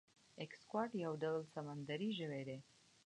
ایکسکوات یو ډول سمندری ژوی دی